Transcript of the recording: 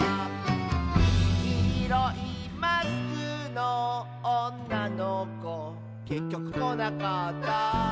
「きいろいマスクのおんなのこ」「けっきょくこなかった」